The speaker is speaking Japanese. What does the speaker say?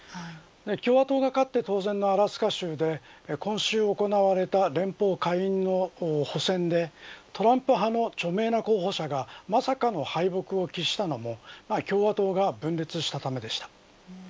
共和党が勝って当然のアラスカ州で今週行われた連邦下院の補選でトランプ派の著名な候補者がまさかの敗北を喫したのも共和党が分裂したためでした。